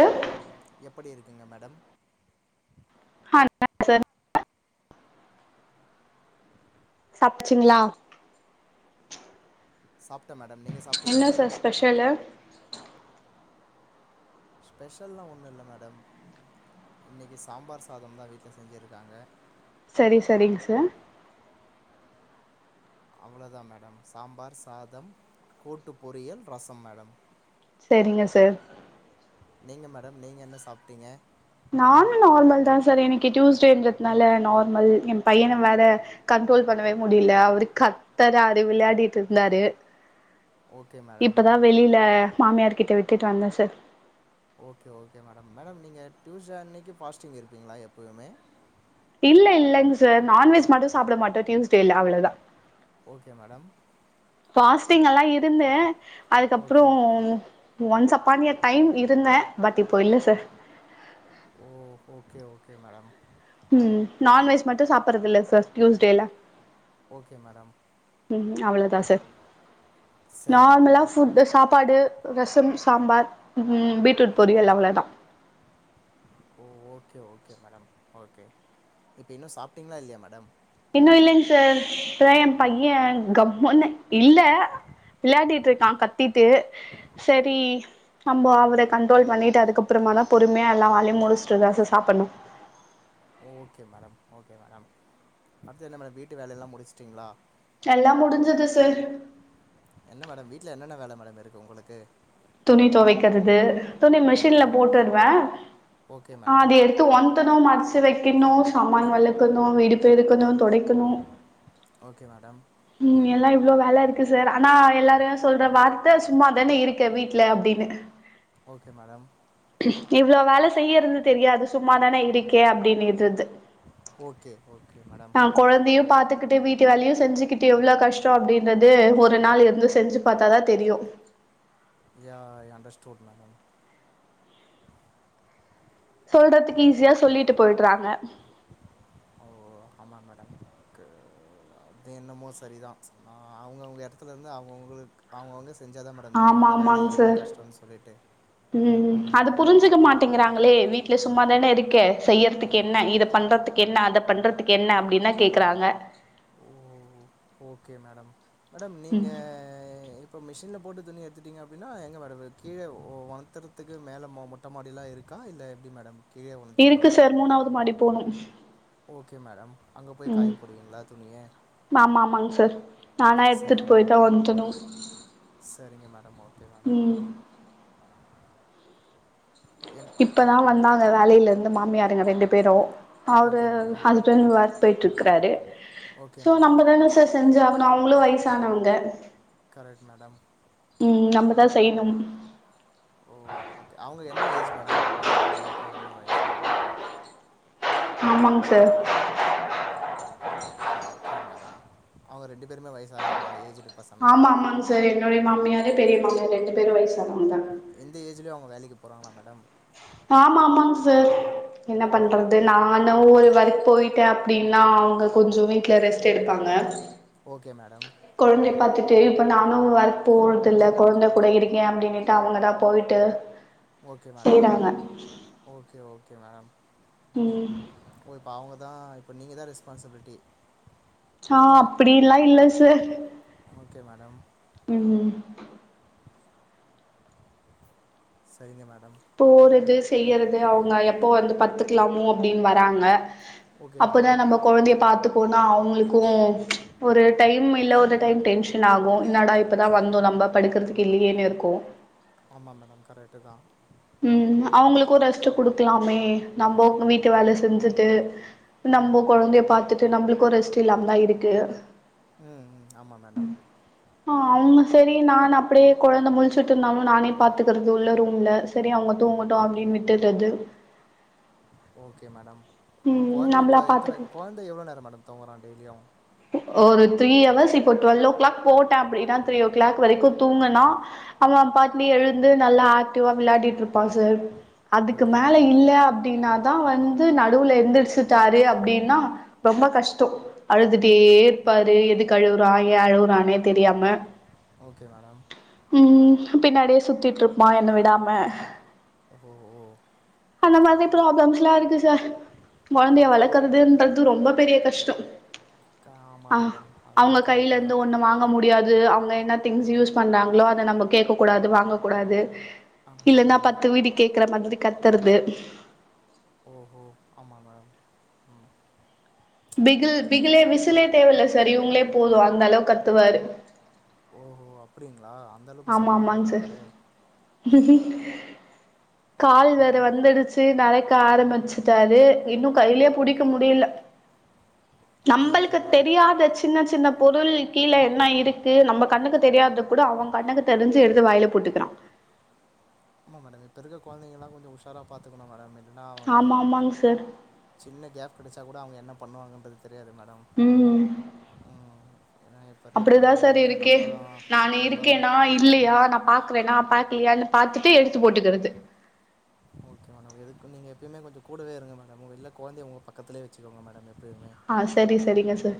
ட்டு எப்படி இருக்கீங்க மேடம் அ சாப்டச்சுங்களா சாப்பிட்டேன் மேடம் நீங்க சாப்பிட்டீங்களா மேடம் வேல ஸ்பெஷல்லலாம் ஒன்னும் இல்ல மேடம் இன்னைக்கு சாம்பார் சாதம் தான் வீட்டில் செஞ்சுருக்காங்க சரி சரிங்க சார் அவ்வளோதான் மேடம் சாம்பார் சாதம் கூட்டு பொரியல் ரசம் மேடம் சரிங்க சார் நீங்க மேடம் நீங்க என்ன சாப்பிட்டீங்க நானும் நார்மல் தான் சார் இன்னைக்கு டியூஸ்டேன்றதுனால நார்மல் என் பையன வேற கண்ட்ரோல் பண்ணவே முடியல அவரு கத்தறாரு விளையாடிட்டு இருந்தாரு ஓகே மேடம் வெளியில மாமியார்கிட்ட விட்டுட்டு வந்தேன் sir okay okay madam madam நீங்க டியூஸ்டே அன்னைக்கு ஃபாஸ்டிங் இருப்பீங்களா எப்பயுமே இல்ல இல்லங்க சார் நான்வெஜ் மட்டும் சாப்பிட மாட்டோம் டியூஸ்டேல அவ்ளோதான் ஓகே மேடம் பாஸ்டிங் எல்லாம் இருந்தேன் அதுக்கப்புறம் ஒன்ஸ் அப்பான் ஏ டைம் இருந்தேன் பட் இப்போ இல்ல sir oh okay okay madam ம் நான்வெஜ் மட்டும் சாப்பிடுறது சார் டியூஸ்டேல ஓகே மேடம் ம் அவ்ளோதான் சார் நார்மலாக ஃபுட்டு் சாப்பாடு ரசம் சாம்பார் ம் பீட்ரூட் பொரியல் அவ்ள தான் oh okay okay madam okay இப்ப இன்னும் சாப்ட்டீங்களா இல்லையா மேடம் இன்னு இல்லிங்க சார் இப்பதா எ பைய கம்முன்னு இல்ல விளையாடிட்ருக்கா கத்திட்டு சேரி நம்போ அவர கண்ட்ரோல் பண்ணிட்டு அதுக்கப்பறமா தா பொறுமையா எல்லா வேலயு முடிச்சுட்டுதா சார் சாப்புண்ணு ஓகே மேடம் ஓகே மேடம் மத்ததென்ன மேடம் வீட்டு வேலல்லா முடிச்ட்டீங்ளா எல்லா முடிஞ்சுது சார் என்ன மேடம் வீட்ல என்னென்ன வேல மேடம் இருக்கு உங்குளுக்கு துணி தொவைக்கிறது துணி மெஷின்ல போட்டுடுவே அது எடுத் து ஒணத்தணு மடிச்சு வைக்கணு சமான் வளக்கணு வீடு பெறுக்கணு தொடைக்கணு ஓகே மேடம் ம் எல்லா இவ்ளோ வேல இருக்கு சார் ஆனா எல்லாரையு சொல்ற வார்த்த சும்மாதான இருக்க வீட்ல அப்டின்னு ஓகே மேடம் இவ்ளோ வேல செய்யறது தெரியாது சும்மாதான இருக்கே அப்பிடின்னிறது ஓகே ஓகே மேடம் அ கொழந்தையு பாத்துக்கிட்டு வீட்டு வேலையு செஞ்சுக்கிட்டு எவ்ளோ கஷ்டோ அப்டின்றது ஒரு நாள் இருந்து செஞ்சு பாத்தாதா தெரியு யா ஐ அண்டர்ஸ்சுட் மேடம் சொல்றத்துக்கு ஈஸியா சொல்லிட்டு போய்ட்றாங்க ஓ ஆமாம் மேடம் அது என்னமோ சரிதா அவுங்கவுங்க எடத்துலருந்து அவுங்கவுங்களுக் அவுங்கவுங்க செஞ்சாதா மே டம் தெரியு அந்த வேல எவ்ளோ கஷ்டோனு சொல்லிட்டு ஆமா மேடம் ட்டுங்குறாங்களே வீட்ல சும்மா தான இருக்க செய்யறத்துக்கென்ன இதை பண்றத்துக்கு என்ன அத பண்றத்துக் கென்னா அப்டின்னா கேக்குறாங்க ஓகே மேடம் மேடம் நீங்க அ இப்ப மிஷின்ல போட்டு துணி எத்துட்டீங்க அப்டின்னா எங்கே மேடம் கீழே ஒணத்துறது த்துக்கு மேல மொ மொட்ட மாடிலா இருக்கா இல்ல எப்டி மேடம் இருக்கு சார் மூணாவுது மாடி போனும் ஓகே மேடம் அங்க போய் காயப்போடுவீங்களா துணிய ஆமா ஆமாங் சார் நானா எடுத்துடு போய் தா ஒணத்துணு சேரிங்க மேடம் ஓகே மேடம் என் இப்பதா வந்தாங்க வேலையிலருந்து மாமியாருங்க ரெண்டு பேரு அவரு ஹஸ்பண்ட் ஒர்க் போய்ட்ருக்குறாரு சோ நம்ப தான சார் செஞ்சாகணு அவுங்களு வயசானவங்க கரெட் மேடம் ம் ம் நம்பதா செய்ணு ஓ ஓகே அவுங்க என்ன ஏஜ் மேடம் ஆகு அவுங்குளுக்கு என்ன வயசாகு ஆமாங்க சார் ஓகே மேடம் அவுங்க ரெண்டு பேருமே வயசானவங்களா ஏஜ் டு ஆமா ஆமாங் சார் என்னோட மாமியாரு பெரிய மாமியார் ரெண்டு பேரு வயசுனாங்க தா இந்த ஏஜ்லயு அவுங்க வேலக்கி போறாங்களா மேடம் ஆமா ஆமாங் சார் என்ன பண்றது நானு ஒரு வேலைக் போயிட்டே அப்டின்னா அவுங்க கொஞ்சோ வீட்ல ரெஸ் ட் எடுப்பாங்க ஓகே மேடம் கொழந்தய பாத்துட்டு இப்ப நானு ஒர்க் போறதில்ல கொழந்த கூட இருக்கே அப்டின்னுட்டு அவுங்கதா போயிட்டு okay madam okay okay madam ம் ஓ இப்ப அவங்கதா இப்ப நீங்கதா ரெஸ்பான்சிபிலிட்டி ஆ அப்படில்லா இல்ல சரர் ஓகே மேடம் ம் சரிங்க மேடம் போறது செய்யறது அவங்க எப்ப வந்து பத்துக்கலாமோ அப்படின் வராங்க அப்பதா நம்ம கொழந்தைய பாத்துக்கோனா அவங்களுக்கு ஒரு டைம் இல்ல ஒரு டைம் டென்ஷன் ஆகு என்னாடா இப்பதா வந்தோ நம்ம படுக்கறதுக்கு இல்லையேன்னு இருக்கு ஆமா மேடம் கரெக்ட்டுதா ம் அவங்களுக்கு ரெஸ்ட்டு குடுக்கலாமே நம்மங்க வீட்டு வேல செஞ்சுட்டு நம்மோ கொழந்தைய பாத்துட்டு நம்பளுக்கு ரெஸ்ட் இல்லாமதா இருக்கு ம் ம் ஆமா மேடம் ஆ அவங்க சரி நான் அப்படியே கொழந்தை முழிச்சுட்ருந்தாலு நானே பாத்துக்கறது உள்ள ரூம்ல செரி அவங்க துங்கட்டு அப்டின்னு விட்டர்றது ஓகே மேடம் ஓ கொழ்ந்தை இப்ப எத்தன கொழ்ந்தை எவ்ள நேர மேடம் துங்கறா டெய்லியு ஒரு த்ரீ ஹவர்ஸ் இப்போ டுவெல்வ் ஓ கிளாக் போட்டே அப்படின்னா த்ரீ ஓ கிளாக் வரைக்கு தூங்குனா அவ பாட்னு எழுந்து நல்லா ஆக்டிவா விளையாடிட்ருப்பா சார் அதுக்கு மேல இல்ல அப்டின்னா தா வந்து நடுவுல எந்திரிச்சுட்டாரு அப்படின்னா ரொம்ப கஷ்ட அழுதுட் டே இருப்பாரு எதுக்கு அழுவுறா ஏ அழுவுறானே தெரியாம ஓகே மேடம் ம் பின்னாடியே சுத்திட்ருப்பா என்ன விடாம அந்த மாதிரி ப்ராப்ளம்ஸ்லா இருக்கு சார் கொழந்தைய வளக்கறதுன்றது ரொம்ப பெரிய கஷ்ட ஆ அவங்க கைல இருந்து ஒண்ண வாங் க முடியாது அவங்க என்ன திங்ஸ் யூஸ் பண்றாங்களோ அத நம்ம கேக்கக்கூடாது வாங்கக்கூடாது இல்லன்னா பத்து வீடு கேக்குற மாதிரி கத்துறது ஓஹோ ஆமாங்க ம் பிகில் பிகிலே விசிலே தேவ இல்ல சார் இவங்களே போது அந்த அளவுக்கு கத்துவாரு ஓஹோ அப்படிங்ளா அந்த அளவுக்கு சவுண்ட் போடுவாரா அவரு கால் வேற வந்துடுச்சு இப்பவே நடக்க ஆரம்பிச்சுட்டாரு இன்னு கைலயே புடிக்க முடியல நம்மளுக்கு தெரியாத சின்ன சின்ன பொருள் கீழ என்ன இருக்கு நம்ம கண்ணுக்கு தெரியாத கூட அவங்க கண்ணுக்கு தெரிஞ்சு எடுத்து வாயில போட்டுக்கிறா ஆமா மேடம் இப்ப இருக்க கொழந்தைங்களா கொஞ்ச உஷாரா பாத்துக்கணு மேடம் இல்லன்னா அவங்க சின்ன கேப் கெடைச்சா கூட அவங்க என்ன பண்ணுவாங்கன்றது தெரியாது மேடம் ம் ம் ஏனா அப்படிதா சார் இருக்கே நான் இருக்கேன்னா இல்லையா நா பாக்குறேனா பாக்கலையான் பாத்துட்டு எடுத்து போட்டுக்கறது ஓகே மேடம் எதுக்கு நீங்க எப்பயுமே கொஞ்ச கூடவே இருங்க மேடம் இல்ல கொழந்தைய உங்க பக்கதுலேய வெச்சுக்கோங்க மேடம் எப்பயுமே ஆ சரி சரிங்க சார்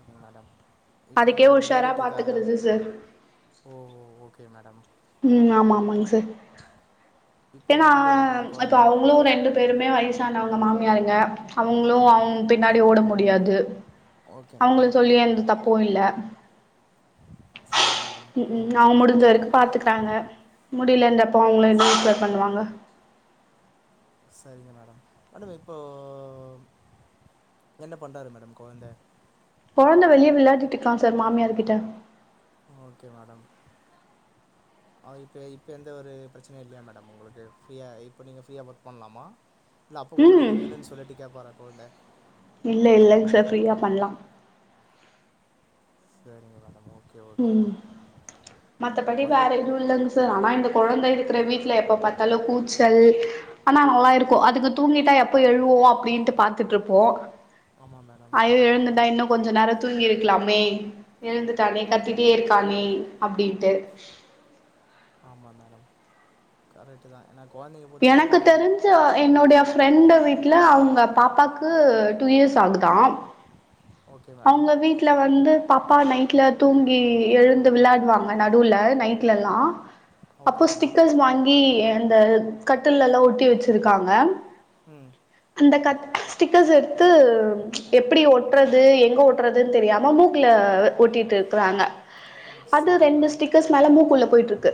ஓகேங் மேடம் இப்ப எங்க மேடம் வெளையாடிட்ருக்காரா ஓஹோ ஓகே மேடம் ம் ஆமாம்மாங் சார் ஏன்னா இப்ப அவுங்களும் ரெண்டு பேருமே வயசானாவங்க மாமியாருங்க அவுங்களு அவுங்க பின்னாடி ஓட முடியாது அவுங்கள சொல்லி எந்த தப் பு இல்ல ம் அவுங்க முடிஞ்ச வரைக் பாத்துக்குறாங்க முடியிலேன்றப்போ அவுங்களு என்ன ரீப்லே பண்ணுவாங்க சரிங்க மேடம் மேடம் இப்போ என்ன பண்றாரு மேடம் கொழந்த கொழந்த வெளியே விளையாடிட்டு இருக்கா சார் மாமியார்கிட்ட ஓகே மேடம் ஆ இப்ப இப்ப எந்த ஒரு பிரச்சனையு இல்லையா மேடம் உங்களுக்கு ஃப்ரீயா இப்போ நீங்க ஃப்ரீயா ஒர்க் பண்லாமா இல்ல அப்போ கூட நீங்க வேணுன் சொல்லிட்டு கேப்பாரா கொழந்த இல்ல இல்லங் சார் ஃப்ரீயா பண்லா செரிங்க மேடம் ஓகே ம் மத்தபடி வேற எதுவு இல்லங் சார் ஆனா இந்த கொழந்த இருக்கிற வீட்ல எப்ப பாத்தாலு கூச்சல் ஆனா நல்லா இருக்கூ அதுங்க தூங்கிட்டா எப்ப எழுவோ அப்டின்ட்டு பாத்து ட்ருப்போ அய்யோ எழுந்துட்ட இன்னு கொஞ்ச நேரொ தூங்கிருக்லாமே எழுந்துட்டானே கத்திட்டே இருக்கானே அப்டின்ட்டு ஆமா மேடம் கரெட்டு தான் ஏன்னா கொழந்தைங்க எனக்கு தெரிஞ்ச என்னுடைய ஃப்ரெண்ட்டு வீட்ல அவுங்க பாப்பாக்கு டூ இயர்ஸ் ஆகுதா அவுங்க வீட் ட்ல வந்து பாப்பா நைட்ல தூங்கி எழுந்து விளாடுவாங்க நடுவுல நைட்லலா அப்போ ஸ்டிக்கர்ஸ் வாங்கி இந்த கட்டிலல்லா ஒட்டி வச்சிருக்காங்க ம் அந்த க ஸ்டிக்கர்ஸ எடுத்து எப்பிடி ஒட்றது றது எங்க ஒட்றதுன் தெரியாம மூக்ல ஓட்டிட்டு இருக்றாங்க அது ரெண்டு ஸ்டிக்கர்ஸ் நல்லா மூக்குள்ள போயிட்ருக்கு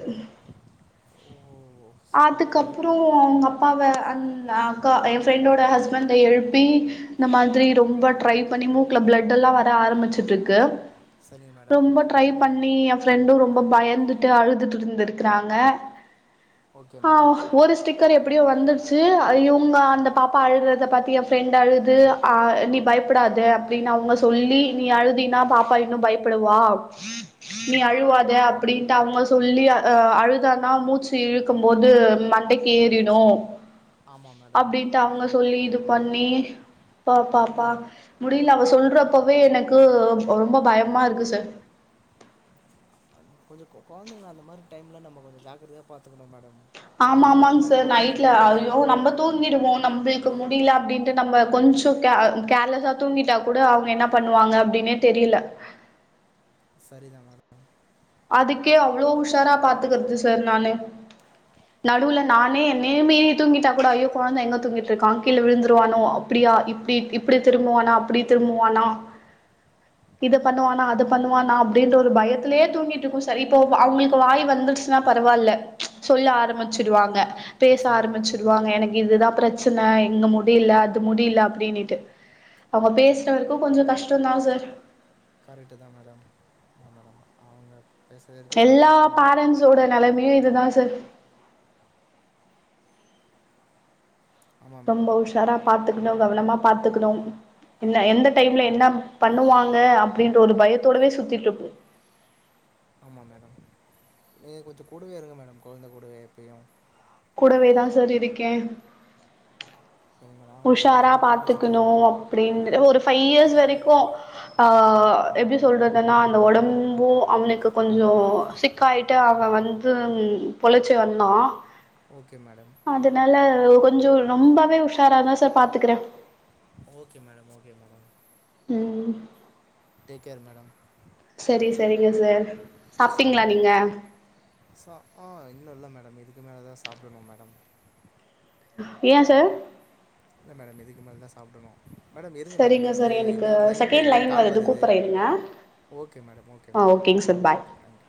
அதுக்கப்றோ அவுங்க அப்பாவ அந்தஅக்கா என் ஃப்ரெண்டோட ஹஸ்பண்ட எழுப்பி இந்த மாதிரி ரொம்ப ட்ரை பண்ணி மூக்ல பிளட் எல்லா வர ஆரம்பிச்சுட்ருக்கு சரிங்க மேடம் ட்ரை பண்ணி என் ஃப்ரெண்டு ரொம்ப பயந்துட்டு அழுதுட்டு இருந்திருக்கிறாங்க ஆ ஒரு ஸ்டிக்கர் எப்டியோ வந்துடுச்சு இவுங்க அந்த பாப்பா அழுறத பாத்து என் ஃப்ரெண்ட் அழுது ஆ நீ பயப்படாத அப்டின்னு அவுங்க சொல்லி நீ அழுதினா பாப்பா இன்னு பயப்படுவா நீ அழுவாத அப்டின்ட்டு அவுங்க சொல்லி அ அழுதானா மூச்சு இழுக் க்கும் போது மண்டைக்கி ஏறிடு அப்டின்ட்டு அவுங்க சொல்லி இது பண்ணி பா பா பா முடியில அவ சொல்றப்பவே எனக்கு ரொம்ப பயமா இருக்கு சார் கொஞ்ச கொ கொழந்தைங்கள அந்த மாரி டைம்ல நம்ம கொஞ்ச ஜாக்ரதயா பாத்தக்குணு மேடம் ஆமா ஆமாங் சார் நைட்ல அய்யோ நம்ப தூங்கிடுவோ நம்மளுக்கு முடில அப்டின்ட்டு நம்ம கொஞ்ச கேர்லஸா தூங்கிட்டா கூட அவங்க என்ன பண்ணுவாங்க அப்டினே தெரில சரிதா மேம் அதுக்கே அவ்வளோ உஷாரா பாத்துக்கறது சார் நானு [inaudible] நடுல நானே என்னயுமே தூங்கிட்டா கூட ஐயோ கொழந்த எங்க தூங்கிட்ருக்கா கீழ விழுந்துருவானோ அப்டியா இப்படி இப்படி திரும்புவானா அப்படி திரும்புவானா [inaudible] இது பண்ணுவானா அத பண்ணுவானா அப்படின்ற ஒரு பயத்திலயே தூங்கிட்டு இருக்கு சரி இப்போ அவங்களுக்கு வாய் வந்துடுச்சுன்னா பரவாயில்ல சொல்ல ஆரம்பிச்சடுவாங்க பேச ஆரம்பிச்சிருவாங்க எனக்கு இதுதா பிரச்சனை இது முடியல அது முடியல அப்டின்னுட்டு அவங்க பேசுறவரைக்கு கொஞ்சம் கஷ்ட தா சார் கரெக்டு தா மேடம் ஆ மேடம் அவங்க பேசுறதுக்கு கொஞ்ச கஷ்டம தா இதோட நெலமையே இதுதா சார் ரொம்ப உஷாரா பாத்துக்கணு கவனமா பாத்துக்கணு இல்ல எந்த டைம்ல என்ன பண்ணுவாங்க அப்டின்ற ஒரு பயத்தோடவே சுத்திட்டு இருப் ஆமா மேடம் கொஞ்ச கூடுவே இருங்க மேடம் கொழந்தை கூடுவே எப்பயு கூடவேதா சார் இருக்கே உஷாரா பாத்துக்கணு அப்டின்ற ஒரு ஃபைவ் இயர்ஸ் வரைக்கு ஆ எப்டி சொல்றதுன்னா அந்த உடம்பு அவனுக்கு கொஞ்சம் பிக் க்காயிட்டு அவ வந்து பொழச்சு வந்தா ஓகே மேடம் அதனால கொஞ்ச ரொம்பவே உஷாரா தா சார் பாத்துக்கறே ஓகே மேடம் ஓகே மேடம் ம் டேக் கேர் மேடம் சரி சரிங்க சார் சரிங்க மேடம் ஆ இன்னு இல்ல மேடம் இதுக்கு மேலே தா சாப்பிடணு மேடம் ஏ சார் இல்ல மேடம் இதுக்கு மேலதா சாப்பிடணு மேடம் இருங்க மேடம் எனக்கு இன்னொரு லைன்ல இன்னொரு கால் வருது okay madam okay madam okay thank you